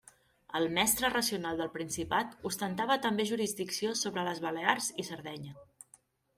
El Mestre racional del Principat ostentava també jurisdicció sobre les Balears i Sardenya.